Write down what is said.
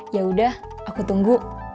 yaudah aku tunggu